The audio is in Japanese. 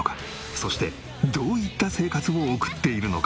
そしてどういった生活を送っているのか？